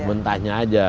ya mentahnya saja